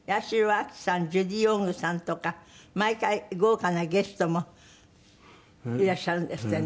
ジュディ・オングさんとか毎回豪華なゲストもいらっしゃるんですってね。